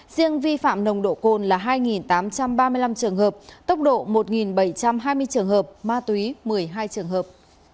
riêng vi phạm nồng độ cồn là hai tám trăm ba mươi năm trường hợp tốc độ một bảy trăm hai mươi trường hợp ma túy một mươi hai trường hợp